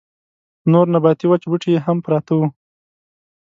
نور نباتي وچ بوټي يې هم پراته وو.